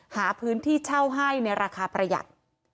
หาพื้นที่เช่าให้ในราคาประหยัด